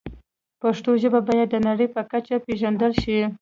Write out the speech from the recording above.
پښتو ژبه باید د نړۍ په کچه پېژندل شي.